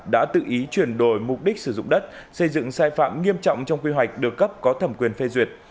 đã tự ý chuyển đổi mục đích sử dụng đất xây dựng sai phạm nghiêm trọng trong quy hoạch được cấp có thẩm quyền phê duyệt